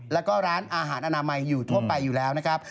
แล้วก็ร้านอาหารอนามัยอยู่ทั่วไปอยู่แล้วนะครับ